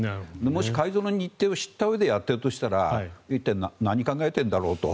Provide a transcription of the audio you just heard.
もし改造の日程を知ったうえでやっているとしたら言ったように何を考えているんだろうと。